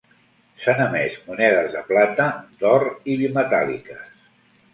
S'han emès monedes de plata, d'or i bimetàl·liques.